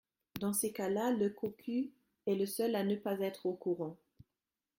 dans ces cas-là le cocu est le seul à ne pas être au courant.